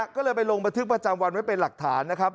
ก็เลยไปลงบันทึกประจำวันไว้เป็นหลักฐานนะครับ